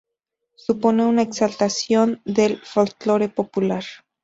Supone una exaltación del folclore popular.